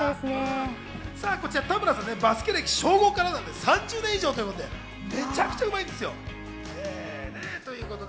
こちらバスケ歴、小５からなんで３０年以上ということで、めちゃくちゃうまいんですよ。